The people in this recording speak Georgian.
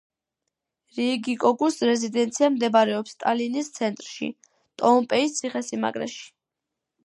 რიიგიკოგუს რეზიდენცია მდებარეობს ტალინის ცენტრში, ტოომპეის ციხესიმაგრეში.